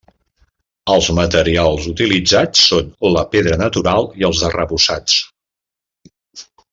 Els materials utilitzats són la pedra natural i els arrebossats.